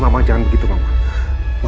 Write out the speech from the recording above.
mama jangan begitu mama